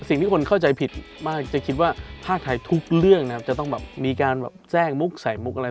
สิ่งที่คนเข้าใจผิดมากจะคิดว่าภาคไทยทุกเรื่องนะครับจะต้องแบบมีการแบบแทรกมุกใส่มุกอะไร